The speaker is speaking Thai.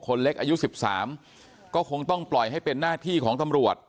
เล็กอายุ๑๓ก็คงต้องปล่อยให้เป็นหน้าที่ของตำรวจ